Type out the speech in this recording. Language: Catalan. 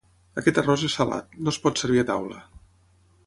Aquest arròs és salat: no es pot servir a taula.